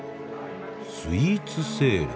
スイーツセール。